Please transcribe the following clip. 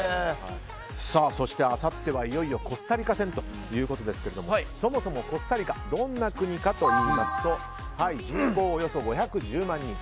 そして、あさってはいよいよコスタリカ戦ですがそもそも、コスタリカどんな国かといいますと人口およそ５１０万人。